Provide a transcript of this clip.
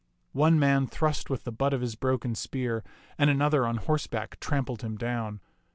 One man thrust with the butt of his broken spear, and another on horse back trampled him down.